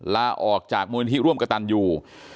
ลาออกจากมูลนิธิร่วมกระตันอยู่